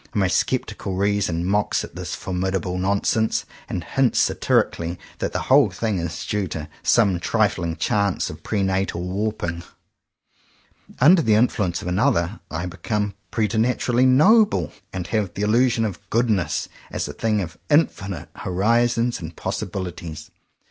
My sceptical reason mocks at this formidable nonsense, and hints satirically that the whole thing is due to some trifling chance of pre natal warping. Under the influence of another, I become preternaturally *'noble," and have the il lusion of ''goodness" as a thing of infinite horizons and possibilities.